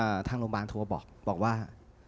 โบิทยาลักษณ์โรงพยาบาลรอบบอกว่า